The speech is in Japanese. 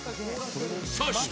そして